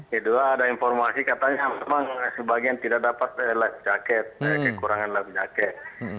kedua ada informasi katanya memang sebagian tidak dapat life jaket kekurangan life jaket